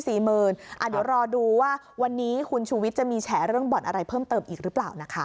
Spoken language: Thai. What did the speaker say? เดี๋ยวรอดูว่าวันนี้คุณชูวิทย์จะมีแฉเรื่องบ่อนอะไรเพิ่มเติมอีกหรือเปล่านะคะ